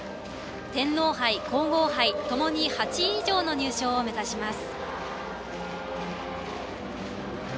天皇杯、皇后杯ともに８位以上の入賞を目指します。